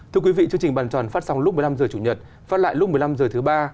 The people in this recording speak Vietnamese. thưa quý vị chương trình bàn tròn phát sóng lúc một mươi năm h chủ nhật phát lại lúc một mươi năm h thứ ba